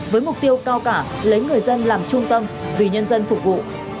với mục tiêu cao cả lấy người dân làm trung tâm vì nhân dân phục vụ